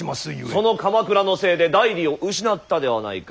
その鎌倉のせいで内裏を失ったではないか。